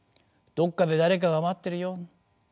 どっかで誰かが待ってるよ。